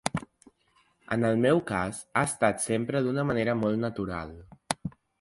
En el meu cas, ha estat sempre d’una manera molt natural.